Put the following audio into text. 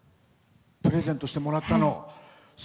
プレゼントしてもらったの。